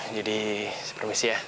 jadi permisi ya